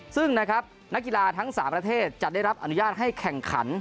ซึ่งนะครับนักกีฬาทั้ง๓ประเทศจะได้รับอนุญาตให้แข่งขัน